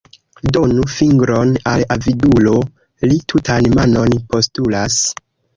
Donu fingron al avidulo, li tutan manon postulas.